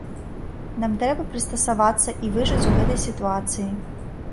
Нам трэба прыстасавацца і выжыць у гэтай сітуацыі.